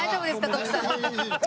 徳さん。